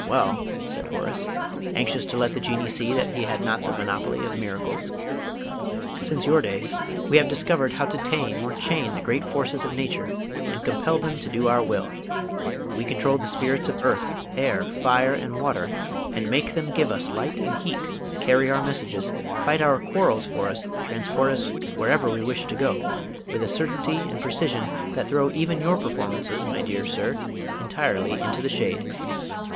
"Well," said Horace, anxious to let the Jinnee see that he had not the monopoly of miracles, "since your days we have discovered how to tame or chain the great forces of Nature and compel them to do our will. We control the Spirits of Earth, Air, Fire, and Water, and make them give us light and heat, carry our messages, fight our quarrels for us, transport us wherever we wish to go, with a certainty and precision that throw even your performances, my dear sir, entirely into the shade."